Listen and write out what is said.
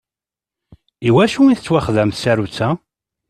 Iwacu i tettwaxdam tsarutt-a?